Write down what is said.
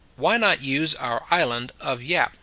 WHY NOT USE OUR ISLAND OF YAP?